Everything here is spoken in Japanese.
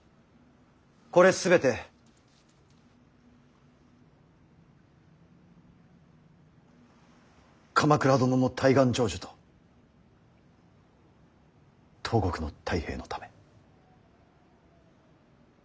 これ全て鎌倉殿の大願成就と東国の太平のため」。